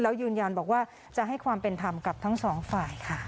แล้วยืนยันบอกว่าจะให้ความเป็นธรรมกับทั้งสองฝ่ายค่ะ